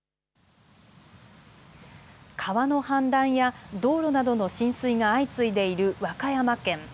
川の氾濫や道路などの浸水が相次いでいる和歌山県。